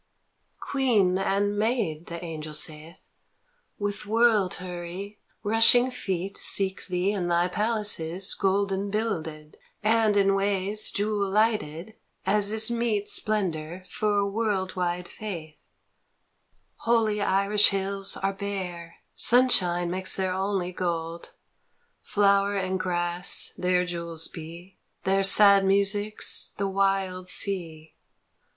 " Queen and Maid," the angel saith, " With world hurry, rushing feet Seek thee in thy palaces Golden builded, and in ways Jewel lighted; as is meet Splendour for a world wide faith ! OUR LADY OF THE IRISH HILLS 17 " Holy Irish hills are bare, Sunshine makes their only gold, Flower and grass their jewels be, Their sad music's the wild sea.